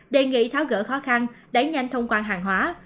đề nghị tháo gỡ khó khăn đẩy nhanh thông quan hàng hóa